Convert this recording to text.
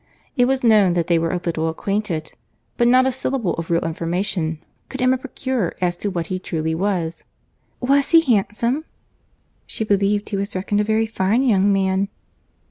It was known that they were a little acquainted; but not a syllable of real information could Emma procure as to what he truly was. "Was he handsome?"—"She believed he was reckoned a very fine young man."